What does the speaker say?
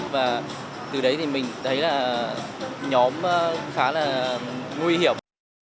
và từ đấy thì mình thấy là nhóm khá là nguy hiểm